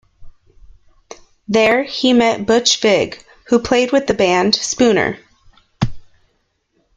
There, he met Butch Vig, who played with the band Spooner.